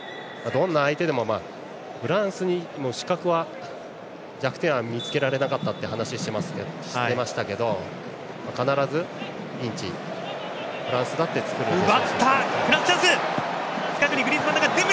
どんな相手でもフランスに死角は弱点は見つけられなかったという話をしていましたけど必ず、ピンチはフランスだって作るので。